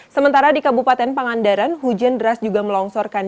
sementara di kabupaten pangandaran hujan deras juga melongsor